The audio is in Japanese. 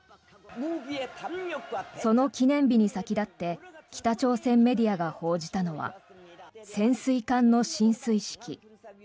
その記念日に先立って北朝鮮メディアが報じたのは潜水艦の進水式。